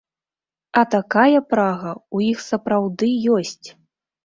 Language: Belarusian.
А такая прага ў іх сапраўды ёсць!